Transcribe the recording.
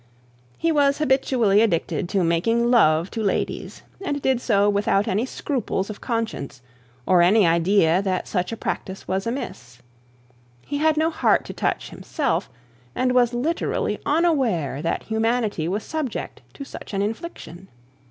He was habitually addicted to making love to ladies, and did so without scruple of conscience, or any idea that such a practice was amiss. He had no heart to touch himself, and was literally unaware that humanity was subject to such infliction.